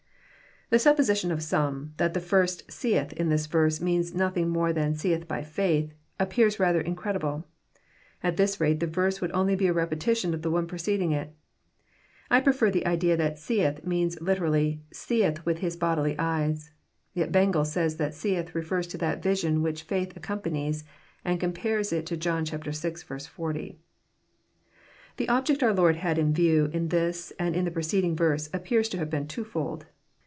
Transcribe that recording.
The supposition of some, that the first seeth" in this verse means nothing more than " seeth by faith," appears rather in credible. At this rate the verse would be only a repetition of the one preceding it. I prefer the Idea that seeth " means liter ally, " Seeth with his bodily eyes." Yet Bengel says that '* seeth " refers to that vision which faith accompanies, and com pares it to John vi. 40. The object onr Lord had in view in this and the preceding Terse appears to have been twofold.